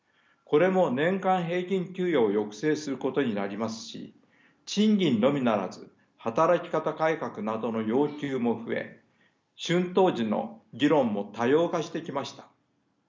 これも年間平均給与を抑制することになりますし賃金のみならず働き方改革などの要求も増え春闘時の議論も多様化してきました。